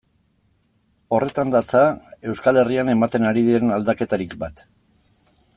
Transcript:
Horretan datza Euskal Herrian ematen ari den aldaketarik bat.